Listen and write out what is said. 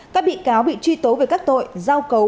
các bị cáo bị truy tố về các tội giao cấu